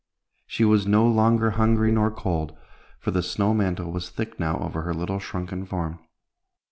She was no longer hungry nor cold, for the snow mantle was thick now over her little shrunken form.